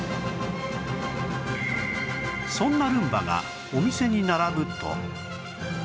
そんなルンバがお店に並ぶと